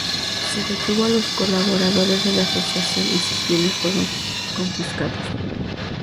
Se detuvo a los colaboradores de la asociación y sus bienes fueron confiscados.